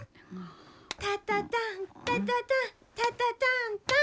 タタタンタタタンタタタンタン。